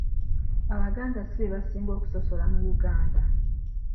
Abaganda si be basinga okusosola mu Uganda?